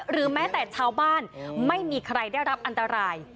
หรือแม้แต่ชาวบ้านไม่มีใครได้รับอันตราย